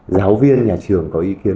giáo viên nhà trường có ý kiến